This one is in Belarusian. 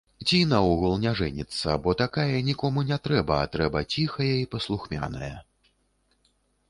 Ці наогул не жэніцца, бо такая нікому не трэба, а трэба ціхая і паслухмяная.